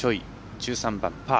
１３番、パー。